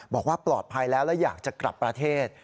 บอกว่าปลอดภัยแล้วแล้วอยากจะกลับประเทศ